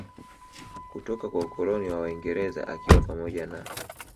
kutoka kwa Ukoloni wa waingereza akiwa pamoja na